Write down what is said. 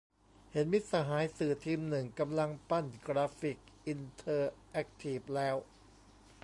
เห็นมิตรสหายสื่อทีมหนึ่งกำลังปั้นกราฟิกอินเทอร์แอคทีฟแล้ว